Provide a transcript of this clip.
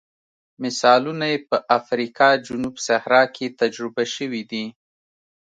مثالونه یې په افریقا جنوب صحرا کې تجربه شوي دي.